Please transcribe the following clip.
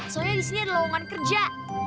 soalnya di sini ada lawangan kerja